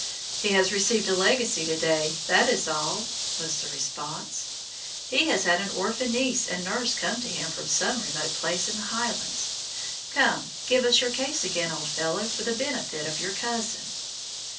"He has received a legacy to day, that is all," was the response; "he has had an orphan niece and nurse sent to him from some remote place in the Highlands. Come, give us your case again, old fellow, for the benefit of your cousin."